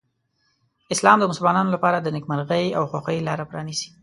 اسلام د مسلمانانو لپاره د نېکمرغۍ او خوښۍ لاره پرانیزي.